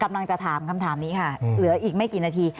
กำลังจะถามคำถามนี้ค่ะเหลืออีกไม่กี่นาที